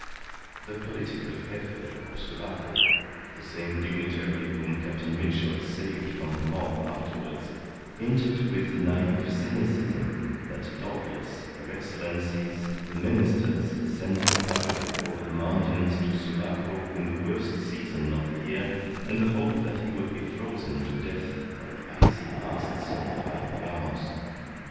The political Gefe of Sulaco (the same dignitary whom Captain Mitchell saved from the mob afterwards) hinted with naive cynicism that doubtless their Excellencies the Ministers sent the padre over the mountains to Sulaco in the worst season of the year in the hope that he would be frozen to death by the icy blasts of the high paramos.